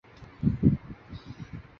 孔达有子得闾叔榖仍为大夫。